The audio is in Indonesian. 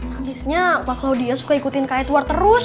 habisnya pak claudia suka ikutin kak edward terus